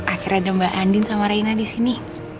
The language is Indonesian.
akhirnya ada mbak andin sama raina di sini